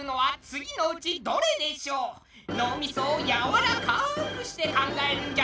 脳みそをやわらかくして考えるんじゃぞ。